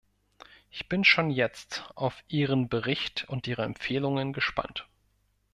Ich bin schon jetzt auf ihren Bericht und ihre Empfehlungen gespannt.